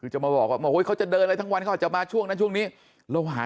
จะมาบอกว่าเขาจะเดินเลยทั้งวันจะมาช่วงนั้นช่วงนี้เราหา